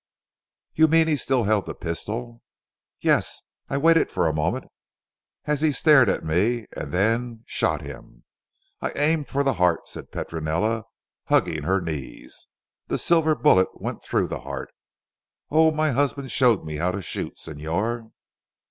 "You mean he still held the pistol?" "Yes. I waited for a moment as he stared at me, and then shot him. I aimed for the heart," said Petronella hugging her knees. "The silver bullet went through the heart. Oh, my husband showed me how to shoot Signor."